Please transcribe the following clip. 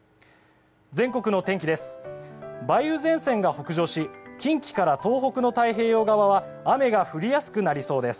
全国の天気です。